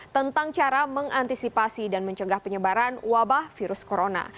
tentang cara mengantisipasi dan mencegah penyebaran wabah virus corona